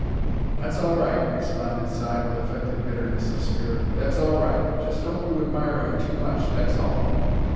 "That's all right," responded Si, with affected bitterness of spirit. "That's all right. Just don't you admire 'em too much, that's all."